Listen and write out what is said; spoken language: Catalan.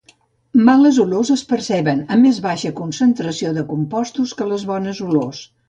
Males olors es perceben a més baixa concentració de compostos que les bones olors